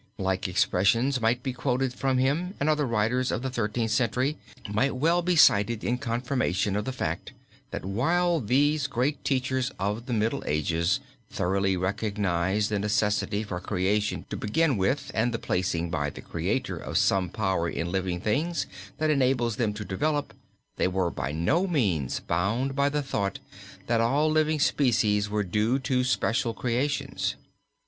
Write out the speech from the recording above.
Like expressions might be quoted from him, and other writers of the Thirteenth Century might well be cited in confirmation of the fact that while these great teachers of the Middle Ages thoroughly recognize the necessity for creation to begin with and the placing by the Creator of some power in living things that enables them to develop, they were by no means bound to the thought that all living species were due to special creations.